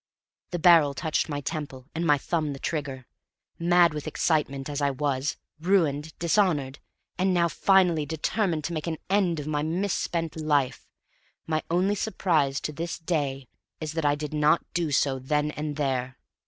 The barrel touched my temple, and my thumb the trigger. Mad with excitement as I was, ruined, dishonored, and now finally determined to make an end of my misspent life, my only surprise to this day is that I did not do so then and there.